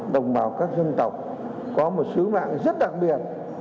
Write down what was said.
đồng bào các dân tộc có một sứ mạng rất đặc biệt